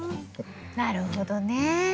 なるほどね。